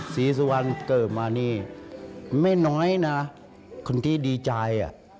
ศรีสุวรรณเกิดมานี่ไม่น้อยนะคนที่ดีใจ